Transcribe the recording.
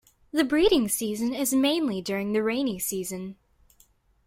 The breeding season is mainly during the rainy season.